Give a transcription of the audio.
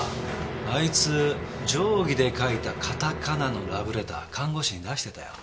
あいつ定規で書いたカタカナのラブレター看護師に出してたよ。